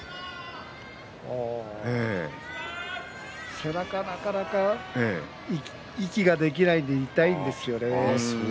背中側から息ができなくて痛いんですよね。